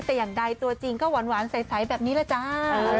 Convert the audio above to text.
แต่อย่างใดตัวจริงก็หวานใสแบบนี้แหละจ้า